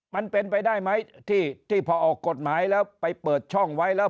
มันเป็นไปได้ไหมที่พอออกกฎหมายแล้วไปเปิดช่องไว้แล้ว